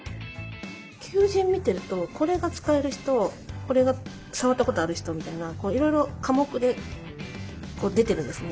求人見てるとこれが使える人これが触ったことある人みたいないろいろ科目で出てるんですね。